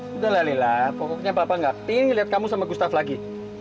sudahlah lila pokoknya papa gak pingin lihat kamu sama gustaf lagi